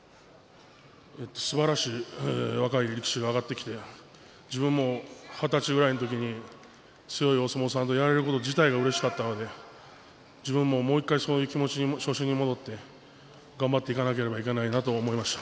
すばらしい若い力士が上がってきて自分も二十歳ぐらいの時に強いお相撲さんとやれること自体がうれしかったので自分ももう１回そういう初心に戻って頑張っていかなければいけないと思いました。